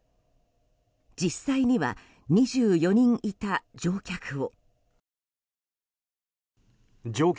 実際には２４人いた乗客を。